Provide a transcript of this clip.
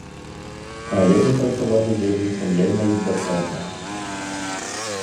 Але мы працавалі вельмі сумленна й дакладна.